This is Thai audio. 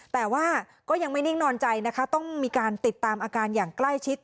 แต่ว่าก็ยังไม่นิ่งนอนใจนะคะต้องมีการติดตามอาการอย่างใกล้ชิด